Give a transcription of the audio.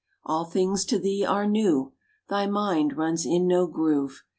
All things to thee are new. Thy mind runs in no groove.